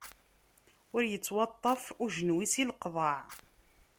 Ur ittwaṭṭaf ujenwi si leqḍaɛ.